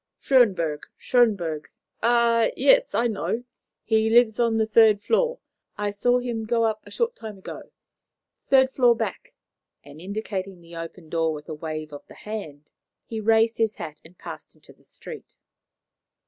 "Schönberg Schönberg? Ah, yes! I know. He lives on the third floor. I saw him go up a short time ago. Third floor back;" and indicating the open door with a wave of the hand, he raised his hat and passed into the street.